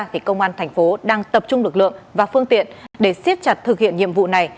thì công an thành phố đang tập trung lực lượng và phương tiện để siết chặt thực hiện nhiệm vụ này